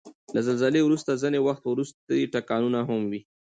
له زلزلې وروسته ځینې وخت وروستی ټکانونه هم وي.